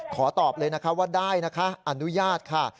ขอตอบเลยนะคะว่าได้นะคะอนุญาตค่ะ